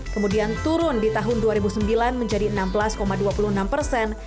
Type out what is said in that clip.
kemudian turun di tahun dua ribu sembilan menjadi enam belas dua puluh enam persen